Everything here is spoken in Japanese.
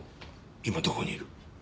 今どこにいる？